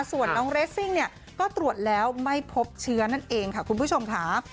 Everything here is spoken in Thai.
ส่วนน้องเรสซิ่งเนี่ยก็ตรวจแล้วไม่พบเชื้อนั่นเองค่ะคุณผู้ชมค่ะ